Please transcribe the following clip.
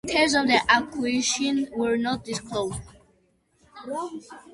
Terms of the acquisition were not disclosed.